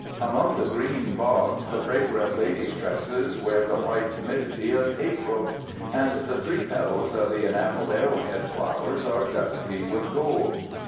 Among the green bogs the fragrant lady's tresses wear the white timidity of April, and the three petals of the enameled arrowhead flower are dusty with gold.